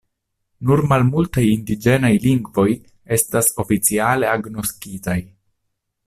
Nur malmultaj indiĝenaj lingvoj estas oficiale agnoskitaj.